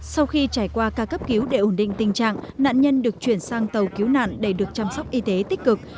sau khi trải qua ca cấp cứu để ổn định tình trạng nạn nhân được chuyển sang tàu cứu nạn để được chăm sóc y tế tích cực